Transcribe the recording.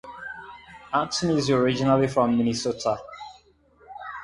Anthony is originally from Minnesota.